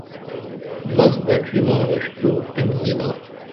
مس دڇھی ما اُشترو ٹِینگ نی با